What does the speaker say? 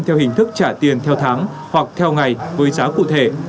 theo hình thức trả tiền theo tháng hoặc theo ngày với giá cụ thể